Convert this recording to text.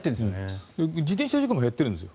自転車事故も減ってるんです。